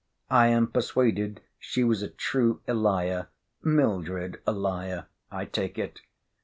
—I am persuaded she was a true Elia—Mildred Elia, I take it.